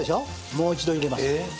もう一度入れます。